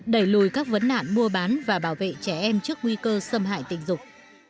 đẩy lùi các vấn nạn mua bán và bảo vệ trẻ em trước nguy cơ xâm hại tình dục